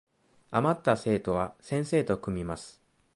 あまった生徒は先生と組みます